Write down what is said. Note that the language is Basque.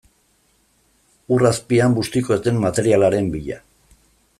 Ur azpian bustiko ez den materialaren bila.